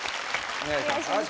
お願いします